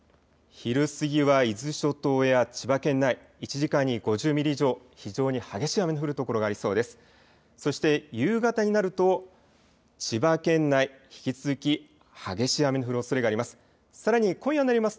昼過ぎは伊豆諸島や千葉県内、１時間に５０ミリ以上、非常に激しい雨の降る所がありそうです。